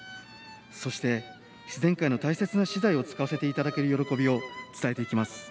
そして、自然界の大切な資材を使わせていただける喜びを伝えていきます。